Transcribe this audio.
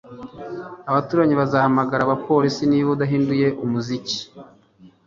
abaturanyi bazahamagara abapolisi niba udahinduye umuziki